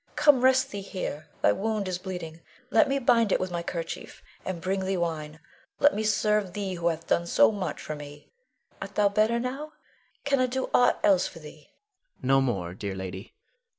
Come, rest thee here, thy wound is bleeding; let me bind it with my kerchief, and bring thee wine. Let me serve thee who hath done so much for me. Art better now! Can I do aught else for thee? Adrian. No more, dear lady.